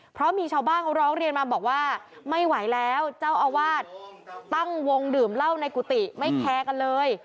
เพราะมีชาวบ้านเขาร้องเรียนมาบอกว่าไม่ไหวแล้วเจ้าอาวาสตั้งวงดื่มเหล้าในกุฏิไม่แคร์กันเลย